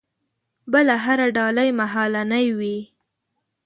بله هره ډالۍ مهالنۍ وي.